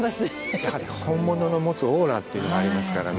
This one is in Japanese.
やはり本物の持つオーラっていうのがありますからね。